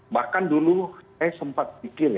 bahkan dulu saya sempat pikir